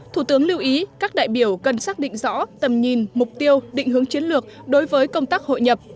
thủ tướng lưu ý các đại biểu cần xác định rõ tầm nhìn mục tiêu định hướng chiến lược đối với công tác hội nhập